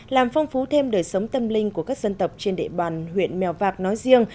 làm phong phú thêm đời sống tâm linh của các dân tộc trên địa bàn huyện mèo vạc nói riêng